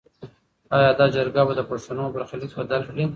ایا دا جرګه به د پښتنو برخلیک بدل کړي؟